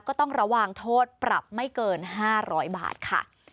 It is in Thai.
ก็ต้องระวังโทษปรับไม่เกิน๕๐๐บาทค่ะ